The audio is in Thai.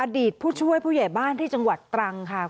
ผู้ช่วยผู้ใหญ่บ้านที่จังหวัดตรังค่ะ